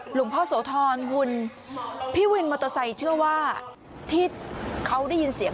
หลวงพ่อโสธรคุณพี่วินมอเตอร์ไซค์เชื่อว่าที่เขาได้ยินเสียง